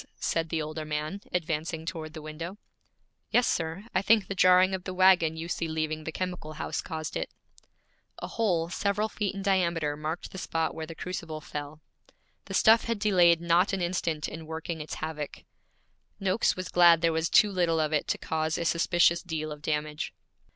said the older man, advancing toward the window. 'Yes, sir. I think the jarring of the wagon you see leaving the chemical house caused it.' A hole several feet in diameter marked the spot where the crucible fell. The stuff had delayed not an instant in working its havoc. Noakes was glad there was too little of it to cause a suspicious deal of damage.